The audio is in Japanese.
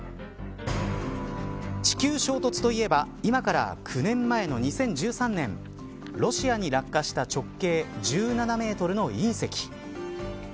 地球衝突といえば今から９年前の２０１３年ロシアに落下した直径１７メートルの隕石。